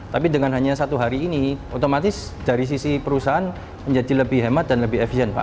tapi dengan hanya satu hari ini otomatis dari sisi perusahaan menjadi lebih hemat dan lebih efisien pak